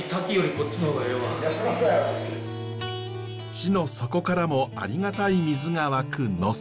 地の底からもありがたい水が湧く能勢。